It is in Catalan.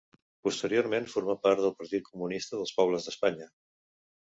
Posteriorment formà part del Partit Comunista dels Pobles d'Espanya.